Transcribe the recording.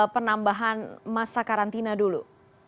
penambahan masa karantina dulu